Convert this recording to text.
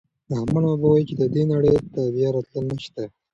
رحمان بابا وايي چې دې نړۍ ته بیا راتلل نشته.